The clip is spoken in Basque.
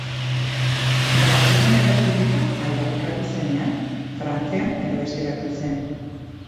Brasilen errepublika aldarrikatu zenean, Frantzian erbesteratu zen.